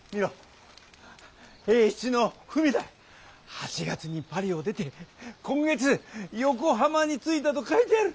８月にパリを出て今月横浜に着いたと書いてある！